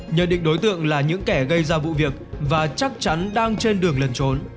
nhận định đối tượng là những kẻ gây ra vụ việc và chắc chắn đang trên đường lần trốn